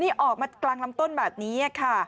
นี่ออกมากลางลำต้นแบบนี้ค่ะ